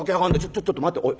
ちょちょっと待ておい。